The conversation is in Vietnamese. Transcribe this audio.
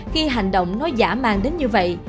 khi hành động nói giả mang đến như vậy